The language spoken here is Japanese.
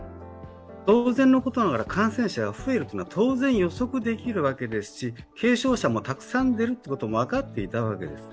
当然のことながら感染者が増えるというのは予測できるわけですし、軽症者もたくさん出るということも分かっていたわけです。